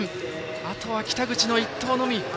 あとは北口の１投のみ。